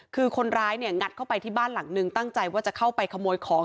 คือคนร้ายเนี่ยงัดเข้าไปที่บ้านหลังนึงตั้งใจว่าจะเข้าไปขโมยของ